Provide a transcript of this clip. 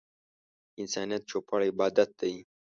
د انسانيت چوپړ عبادت دی.